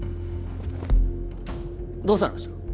どうされました？